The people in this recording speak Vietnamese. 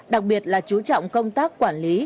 đặc biệt là chú trọng công tác quản lý